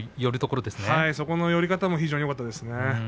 そこの寄り方もよかったですね。